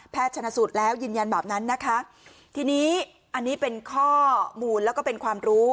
ชนะสูตรแล้วยืนยันแบบนั้นนะคะทีนี้อันนี้เป็นข้อมูลแล้วก็เป็นความรู้